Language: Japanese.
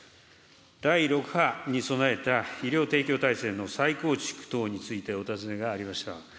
第６波に備えた医療提供体制の再構築等について、お尋ねがありました。